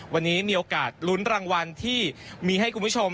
วันนี้มีโอกาสลุ้นรางวัลที่มีให้คุณผู้ชม